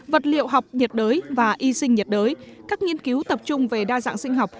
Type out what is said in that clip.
vật liệu học nhiệt đới và y sinh nhiệt đới các nghiên cứu tập trung về đa dạng sinh học